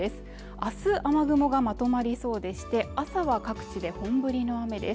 明日雨雲がまとまりそうでして朝は各地で本降りの雨です